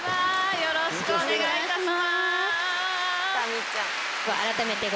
よろしくお願いします。